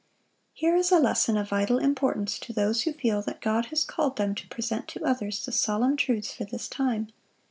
(178) Here is a lesson of vital importance to those who feel that God has called them to present to others the solemn truths for this time.